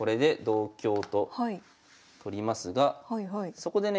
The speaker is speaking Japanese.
そこでね